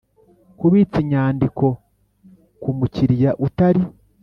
kubitsa inyandiko ku mu kiliya utari